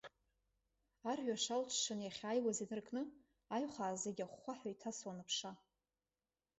Арҩаш алҽҽан иахьаауаз инаркны, аҩхаа зегьы ахәхәаҳәа иҭасуан аԥша.